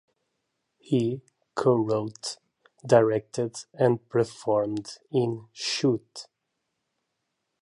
He co-wrote, directed and performed in "Shoot".